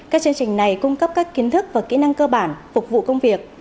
các chương trình này cung cấp các kiến thức và kỹ năng cơ bản phục vụ công việc